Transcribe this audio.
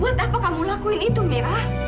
buat apa kamu lakuin itu mira